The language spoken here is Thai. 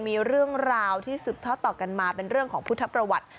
มีเรื่องราวที่สืบทอดต่อกันมาเป็นเรื่องของพุทธประวัติ